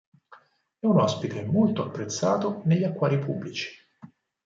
È un ospite molto apprezzato negli acquari pubblici.